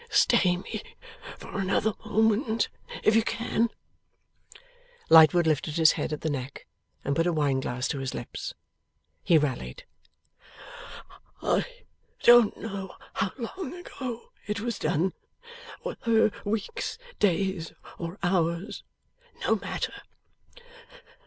Stay me for another moment, if you can.' Lightwood lifted his head at the neck, and put a wine glass to his lips. He rallied. 'I don't know how long ago it was done, whether weeks, days, or hours. No matter.